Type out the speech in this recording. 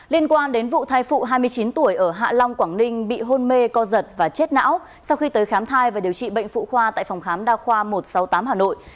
liên quan đến vụ thai phụ hai mươi chín tuổi ở hạ long quảng ninh bị hôn mê co giật và chết não sau khi tới khám thai và điều trị bệnh phụ khoa tại phòng khám đa khoa một trăm sáu mươi tám hà nội